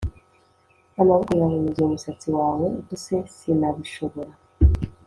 Amaboko yawe yuzuye umusatsi wawe utose sinabishobora